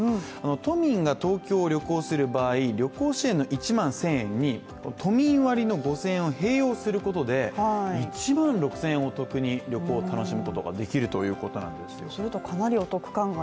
都民が東京を旅行するときに、全国旅行支援に合わせて都民割の５０００円を併用することで１万６０００円お得に旅行を楽しむことができるということなんですよ。